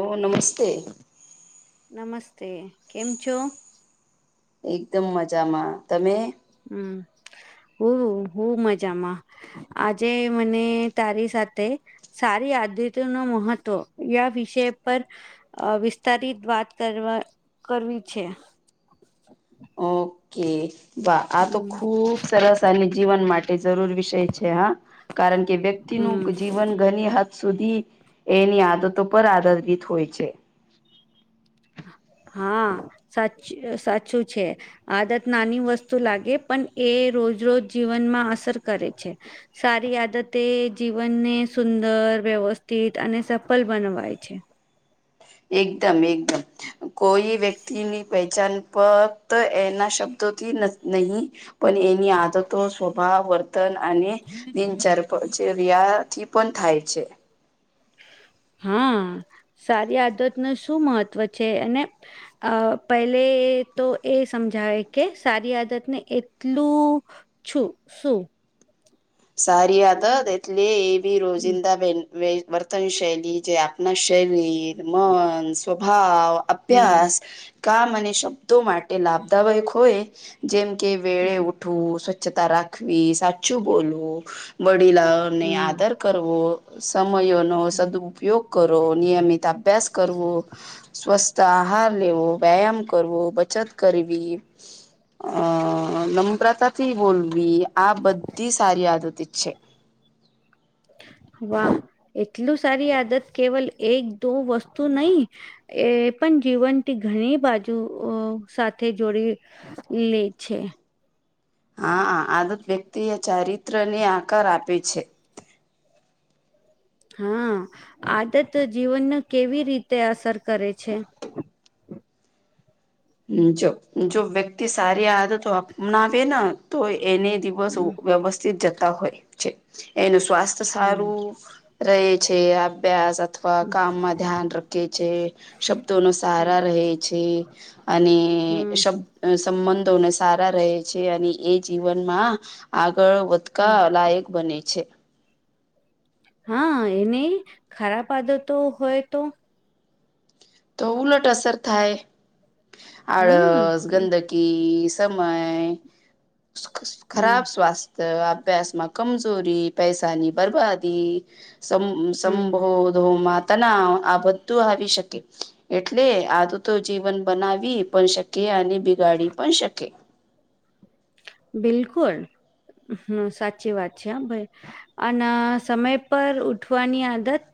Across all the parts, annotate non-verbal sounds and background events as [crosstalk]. ઓ નમસ્તે. નમસ્તે, કેમ છો? એકદમ મજામાં, તમે? હમ્મ, હું, હું મજામાં. આજે મને તારી સાથે સારી આદિતોનો મહત્વ યા વિષય પર. અહ વિસ્તારિત વાત કરવા કરવી છે. ઓકે વા આ તો હમ ખૂબ સરસ. તનિક જીવન માટે જરૂર વિષય છે હા, કારણકે વ્યક્તિ નું હમ જીવન ઘણી હદ સુધી એની આદતો પર આધારિત હોય છે. હા, સાચ સાચું છે. આદત નાની વસ્તુ લાગે પણ એ રોજ રોજ જીવનમાં અસર કરે છે. સારી આદત તે જીવનને સુંદર વ્યવસ્થિત અને સફળ બનવાય છે. એકદમ એકદમ કોઈ વ્યક્ તી ની પહેચાન પર એના શબ્દોથી નથ નહી પણ એની આદતો સ્વભાવ વર્તન અને દિનચર પજેરિયાથી પણ થાય છે. હા, સારી આદતન શું મહત્વ છે અને અહ પહેલે તો એ સમજાવે કે સારી આદતને એટલું છુ સું સારી આદવાત એટલે એ બી રોજિંદા બેન વે વર્તન શૈલી જે આપણા શરીર, મન, સ્વભાવ હમ અભ્યાસ, કામ અને શબ્દો માટે લાભદાયક હોય? જેમ કે વેળે હમ ઉઠવું, સ્વચ્છતા રાખવી, સાચું બોલવું, વડીલા ને આદર હમ કરવો, સમયનો સદપયોગ કરો, નિયમિત તો અભ્યાસ કરવું, સ્વસ્થ આહાર લેવો, વ્યાયામ કરવો, બચત કરવી, અ નમ્રાતાથી બોલવી, આ બધી સારી આદત છે. વાહ એટલું સારી આદત કેવલ એક દો વસ્તુ નહી. એ પણ જીવનથી ઘણી બાજુ સાથે જોડી લે છે. હા આદત વ્યક્તિ એ ચારિત્રને આકાર આપે છે. હા, આદત જીવનને કેવી રીતે અસર કરે છે? જો જો વ્યક્તિ સારી આદતો અપનાવે ને તો એન હમ વ્યવસ્થિત જતા હોય છે એનું સ્વાસ્થ્ય હમ સારું. રહે છે આભ્યાસ અ અથવા કામમાં ધ્યાન રખે છે, શબ્દોનો હમ સારા રહે છે. અને હમ શબ્દ અને સંબંધોને સારા રહે છે. અને એ જીવનમાં આગળ વધ હમ કા લાયક બને છે. હા એને ખરાબ આદતો હોય તો તો ઉલટ અસર થાય. હમ આળસ, એ ગંદક કી સમય, હમ ખરાબ સ્વાસ્ થય, આભ્યાસમાં કમજોરી, પૈસાની બરબાદી સમ હમ સંભોધોમા તનાવ આ બધું આવી શકે. એટલે આદતો જીવન બનાવી પણ શકે અને બિગાડી પણ શકે. બિલકુલ હમ સાચી વાત છે હહ ભઈ. અન સમય પર ઉઠવાની આદત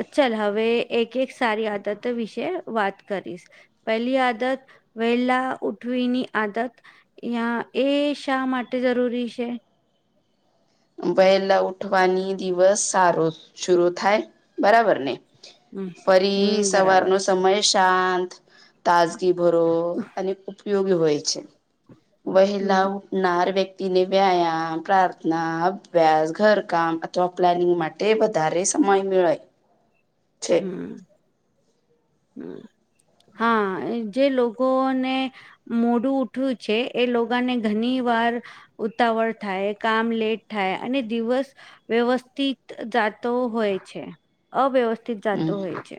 અ ચલ હવે એક એક સારી આદત વિશે વાત કરીશ. પહેલી આદત વેલા ઉઠવીની આદત ઈયા એ શા માટે જરૂરી છે? વહેલા ઉઠવાની દિવસ સારો શુરુ થાય બરાબર ને? હમ ફરી હમ બરાબર સવારનો સમય શાંત, તાજગી ભરો અને ઉપયોગી હોય છે. હમ વહેલા ઉઠનાર વ્યક્તિને વ્યાયામ, પ્રાર્થના અભ્યાસ, ઘરકામ અથવા પ્લેનિંગ માટે વધારે સમય મેળય. હમ હમ હા જે લોકોને મોડું ઉઠ્યું છે એ લોકાને ઘની વાર ઉતાવળ થાય, કામ લેટ થાય, અને દિવસ વ્યવસ્થિત જાતો હોય છે, અવ્યવસ્થિત હમ જાતો હોય છે.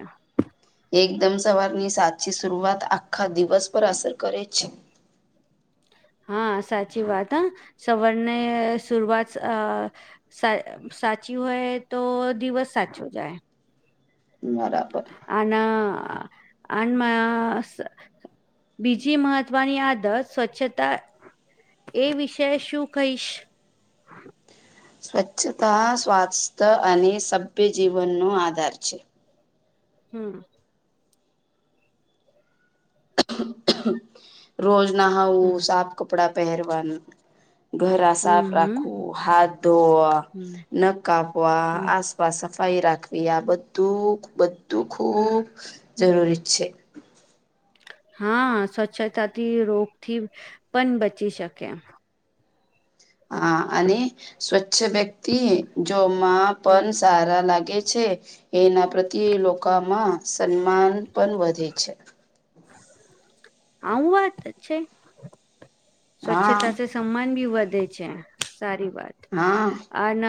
એકદમ સવારની સાચી શરૂઆત આખા દિવસ પર અસર કરે છે. હા સાચી વાત હહ સવારને શુરૂઆત અ સા સાચી હોય તો દિવસ સાચો જાય. બરાબર આના આનમાં સ બીજી મહત્વની આદત સ્વચ્છતા એ વિશે શું કહીશ? સ્વચ્છતા સ્વાસ્થ અને સભ્ય જીવનનો આધાર છે. હમ રોજ હમ નહાવું, સાફ કપડાં પહેરવા ઘરા હમ સાફ હમ રાખવું, હાથ ધોવા, હમ નખ કાપવા, હમ આસ વા, સફાઈ રાખવી આ બધું બધું ખૂબ જરૂરી છે. હા સ્વચ્છતાથી રોગથી પન બચી શકે. હા અને સ્વચ્છ વ્યક્તિ જો માં હમ પન સારા લાગે છે. એના પ્રત્યે હમ લોકામાં સન્માન પન વધે છે. આવું વાત છે, હા સ્વચ્છતા સે સમ્માન બી વધે છે સારી વાત. હા અન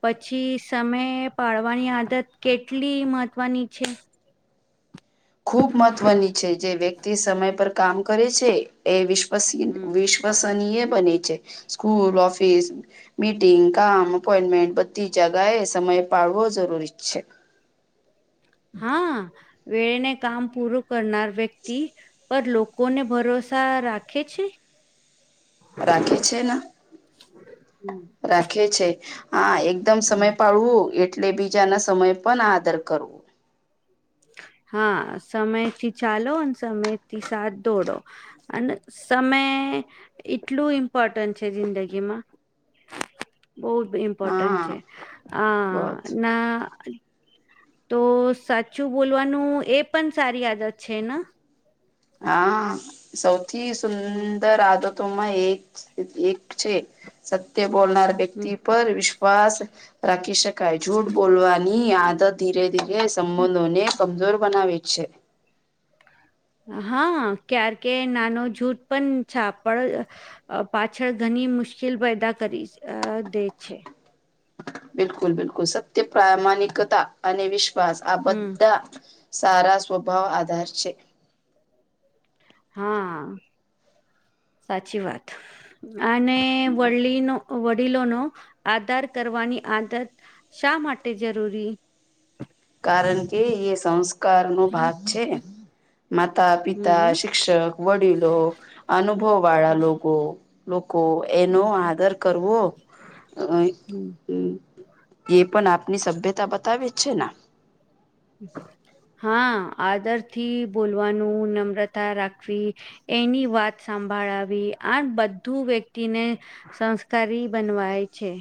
પછી સમય પાડવાની આદત કેટલી મહત્ત્વની છે? ખૂબ મહત્વની છે. જે વ્યક્તિ સમય પર કામ કરે છે એ વિશ્વસનીય હમ વિશ શવસનીય બને છે સ્કૂલ ઓફિસ મીટિંગ કામ અપોઈન્ટમેન્ટ બધી જગા એ સમય પાડવો જરૂરી છે. હા વેને કામ પૂરું કરનાર વ્યક્તિ પર લોકોને ભરોસા રાખે છે? રાખે છે ન. હમ રાખે છે હા એકદમ હમ. સમય પાડવું એટલે બીજા ના સમય પણ આદર કરવું. હા સમયથી ચાલો અને સમયથી સાથ દોડો અને સમય એટલું ઇમ્પોર્ટન્ટ છે જિંદગીમાં બહુ જ ઇમ્પોર્ટન્ટ હા છે આ બસ ના તો સાચું બોલવાનું એ પણ સારી આદત છે ને? હા સૌથી હમ સુંદર આદત એક એક છે સત્ય બોલનાર વ્યક્તિ હમ. પર વિશ્ વાસ રાખી શકાય જૂઠ બોલવાની આદત ધીરે ધીરે સંબંધોને કમજોર બનાવે છે. હા કારણકે નાનો જૂથ પણ છાપડ પાછળ ઘણી મુશ્કેલ પેદા કરી દે છે. બિલકુલ બિલકુલ સત્ય પ્રામાણિકતા અને વિશ્વાસ આ હમ બધા સારા સ્વભાવ આધાર છે. [inaudible] હા સાચી વાત અને વડલીનો વડીલો નો આદર કરવાની આદત શા માટે જરૂરી? કારણ કે એ સંસ્કાર નો ભાગ છે. માતા હમ પિતા, શિક્ષક, વડીલો, અનુભવ વાળા લોકો લોકો એનો આદર કરવો હમ એ પણ આપની સભ્યતા બતાવે જ છે ને હ હા આદરથી બોલવાનું નમ્રતા રાખવી એની વાત સંભળાવી આમ બધું વ્યક્તિને સંસ્કારી બનવાય છે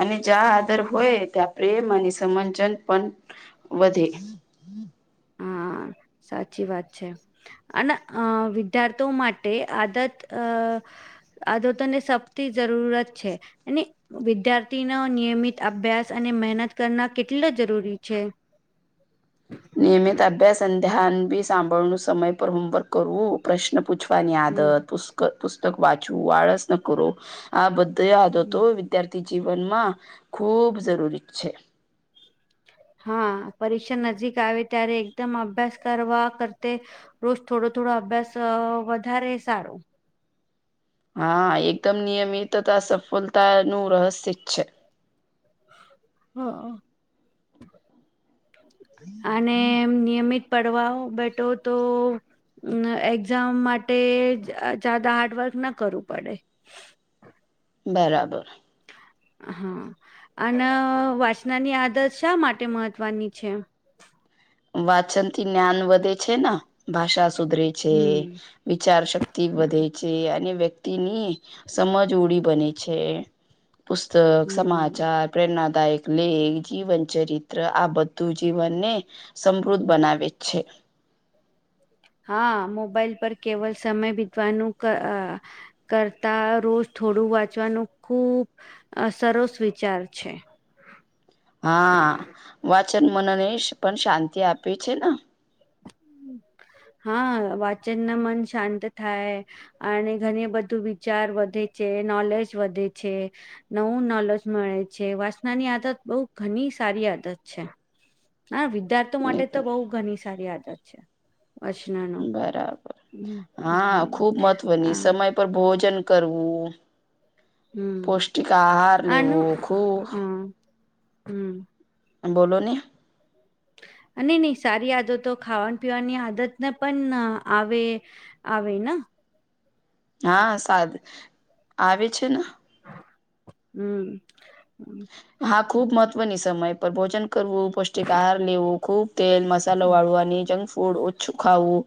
અને જ્યાં આદર હોય ત્યાં પ્રેમ અને સમંજન પણ વધે હા સાચી વાત છે અને અ વિદ્યાર્થીઓ માટે આદત અ આદતોને સપથી જરૂરત છે અને વિદ્યાર્થી ન નિયમિત અભ્યાસ અને મહેનત કરના કેટલા જરૂરી છે? નિયમિત અભ્યાસ અને ધ્યાન બી સાંભળનું સમય પર હોમવર્ક કરવું પ્રશ્ન પૂછવ ની આદત હમ પુ પુસ્તક વાંચવું વાળસ ન કરો આ બધી હમ. આદતો વિદ્યાર્થી જીવનમાં ખૂબ જરૂરી છે હા પરીક્ષા નજીક આવે ત્યારે એકદમ અભ્યાસ કરવા કરતે રોજ થોડો થોડો અભ્યાસ વધારે સારો. હા એકદમ નિયમિત તથા સફળતા નું રહસ્ય છે. [inaudible] અને નિયમિત પડવા બેઠો તો અ એક્ઝામ માટે જદા હાર્ડવર્ક ના કરવું પડે બરાબર હા અને વાસનાની આદત શા માટે મહત્વની છે? વાચન થી જ્ઞાન વધે છે ને ભાષા સુધરે છે વિચાર શક્તિ હમ વધે છે અને વ્યક્તિની સમજ ઓડી બને છે પુસ્તક સમાચાર પ્રેરણાદાયક લેખ જીવન ચરિત્ર આ બધું જીવનને સમૃદ્ધ બનાવે છે હા મોબાઈલ પર કેવલ સમય બીતવાનું કરતા રોજ થોડું વાંચવાનું ખુબ સરસ વિચાર છે. હા વાચન મનને પણ શાંતિ આપી છે ને. [inaudible] હા વાચન ના મન શાંત થાય. અને ઘણી બધું વિચાર વધે છે નોલેજ વધે છે. નવું નોલેજ મળે છે વાસનાની આદત બઉુ ઘણી સારી આદત છે. હા વિદ્યાર્થી માટે તો એકદમ બહુ ઘણી સારી આદત છે વચના બરાબર હા ખુબ મહત્વની સમય પર ભોજન કરવું પૌષ્ટિક આહાર લેવો આનું ખુબ હમ [inaudible] બોલો ની ની ની સારી આદતો ખાવા પીવાની આદતને પણ આવે. આવે ના હા સાદ આવે છે ન. [inaudible] હા ખુબ મહત્વની સમય પર ભોજન કરવું પૌષ્ટિક આહાર લેવું ખુબ તેલ મસાલો હમ, વાળવાની જંક ફૂડ ઓછું ખાવું.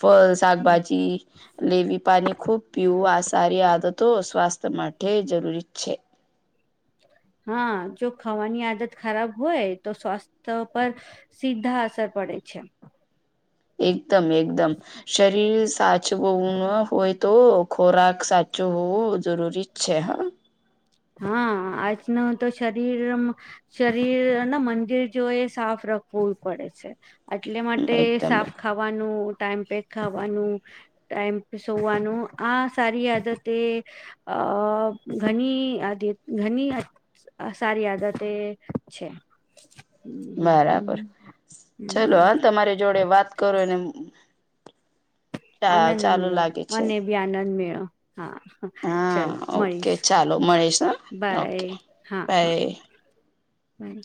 ફળ હમ. શાકભાજી લેવી પાણી ખુબ પીવું આ સારી આદતો સ્વાસ્થ્ય માટે જરૂરી છે. હા જો ખાવાની આદત ખરાબ હોય તો સ્વાસ્થ્ય પર સીધા અસર પડે છે એકદમ એકદમ શરીર સાચવવુ ન હોય તો ખોરાક સાચું હોવું જરૂરી જ છે હા. હા આજ નું તો શરીર આમ શરીર ને મંદિર જો એ સાફ રખવું પડે છે. એટલે માટે એકદમ સાફ ખાવાનું ટાઈમ પેક ખાવાનું ટાઈમ પે સોવાનું આ સારી આદતે અ ઘણી આ ઘણી સારી આદતે છે. બરાબર ચલો હમ આ તમારી જોડે વાત કરોને ચા આનંદ ચાલુ મેળો લાગે છે. મને આનંદ મેળો હા હા ચાલો ઓકે ચાલો મળીશું મળીશ હા ઓકે બાય હા હા બાય બાય